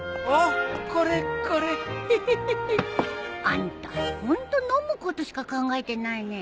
あんたホント飲むことしか考えてないね。